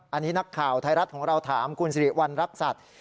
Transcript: อันนี้นักข่าวไทยรัฐของเราถามคุณสิริวัณรักษัตริย์